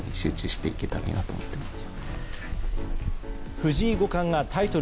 藤井五冠がタイトル